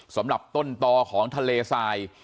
สำหรับต้นตอของทะเลทราย